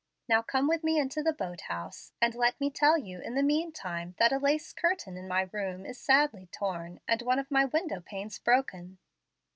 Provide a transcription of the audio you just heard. Now come with me into the boat house, and let me tell you in the mean time that a lace curtain in my room is sadly torn, and one of my window panes broken."